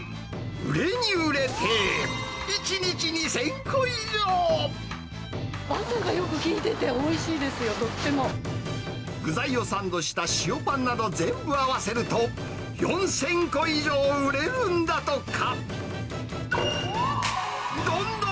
売れに売れて、バターがよく効いてて、おいしいですよ、とっても。具材をサンドした塩パンなど全部合わせると、４０００個以上売れるんだとか。